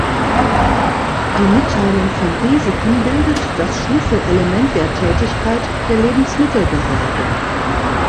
Die Mitteilung von Risiken bildet das Schlüsselelement der Tätigkeit der Lebensmittelbehörde.